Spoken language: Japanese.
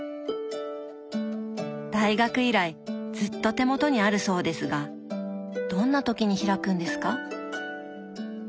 大学以来ずっと手元にあるそうですがどんな時に開くんですか？